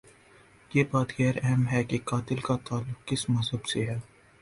یہ بات غیر اہم ہے کہ قاتل کا تعلق کس مذہب سے ہے۔